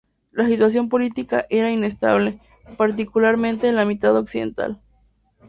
La situación política era inestable, particularmente en la mitad occidental.